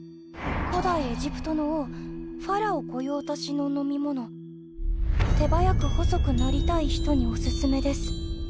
古代エジプトの王ファラオ御用達の飲み物手早く細くなりたい人におすすめです。